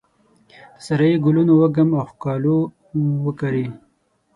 د سارایې ګلونو وږم او ښکالو وکرې